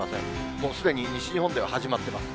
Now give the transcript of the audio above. もうすでに西日本では始まってます。